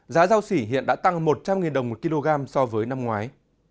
giá rau sỉ hiện đã tăng một trăm linh đồng một kg so với năm ngoái